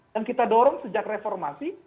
yang kita dorong sejak reformasi